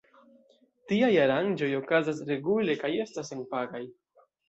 Tiaj aranĝoj okazas regule kaj estas senpagaj.